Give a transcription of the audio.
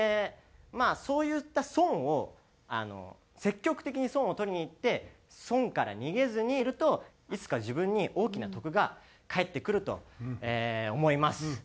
まあそういった損を積極的に損を取りにいって損から逃げずにいるといつか自分に大きな得が返ってくると思います。